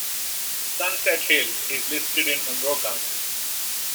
Sunset Hill is listed in Monroe County.